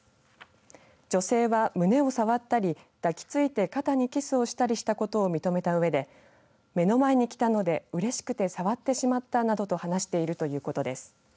女性は胸を触ったり抱きついて肩にキスをしたりしたことを認めたうえで目の前に来たのでうれしくて触ってしまったなどと話しているということです。